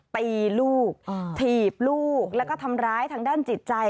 ตีลูกถีบลูกแล้วก็ทำร้ายทางด้านจิตใจ